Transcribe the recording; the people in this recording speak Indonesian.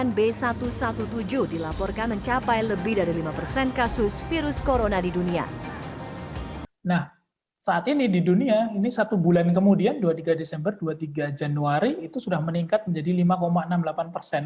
nah saat ini di dunia ini satu bulan kemudian dua puluh tiga desember dua puluh tiga januari itu sudah meningkat menjadi lima enam puluh delapan persen